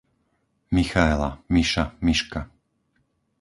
Michaela, Miša, Miška